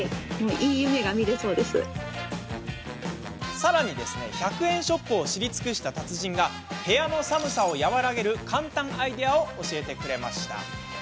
さらに、１００円ショップを知り尽くした達人が部屋の寒さを和らげる簡単アイデアを教えてくれました。